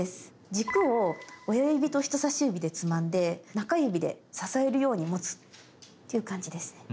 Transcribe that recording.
軸を親指と人さし指でつまんで中指で支えるように持つっていう感じですね。